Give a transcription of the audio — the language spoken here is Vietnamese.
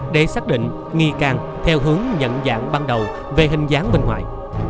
để xác định nghi can theo hướng nhận dạng ban đầu về hình dáng bên ngoài